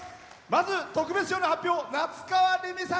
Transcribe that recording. まず、特別賞の発表。